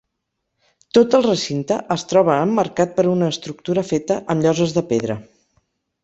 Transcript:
Tot el recinte es troba emmarcat per una estructura feta amb lloses de pedra.